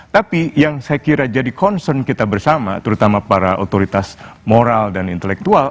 tapi yang saya kira jadi concern kita bersama terutama para otoritas moral dan intelektual